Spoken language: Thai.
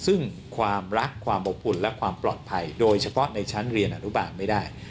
ซึ่งความรักความอบอุ่นและความปลอดภัยโดยเฉพาะในชั้นเรียนอนุบาลไม่ได้